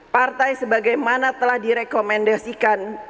partai sebagaimana telah direkomendasikan